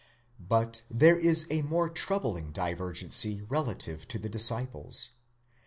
But there is a more troublesome divergency relative to the disciples.